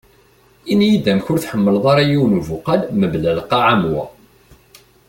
Ini-yi-d amek ur tḥemleḍ ara yiwen ubuqal mebla lqaɛ am wa.